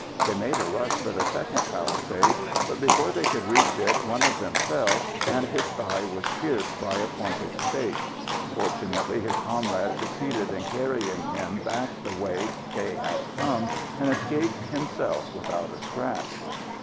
They made a rush for the second palisade, but before they could reach it one of them fell, and his thigh was pierced by a pointed stake. Fortunately, his comrade succeeded in carrying him back the way they had come, and escaped himself without a scratch.